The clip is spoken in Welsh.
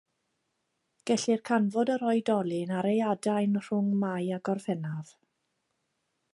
Gellir canfod yr oedolyn ar ei adain rhwng Mai a Gorffennaf.